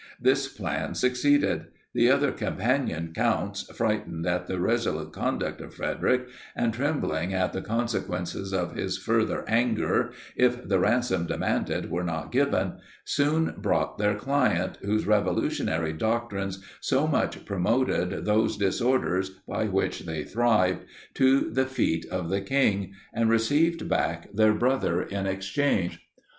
This plan succeeded. The other Campagnian counts, frightened at the resolute conduct of Frederic, and trembling at the consequences of his further anger, if the ransom demanded were not given, soon brought their client, whose revolutionary doctrines so much promoted those disorders by which they thrived, to the feet of the king, and received back their brother in exchange.